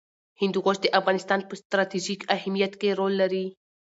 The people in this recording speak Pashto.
هندوکش د افغانستان په ستراتیژیک اهمیت کې رول لري.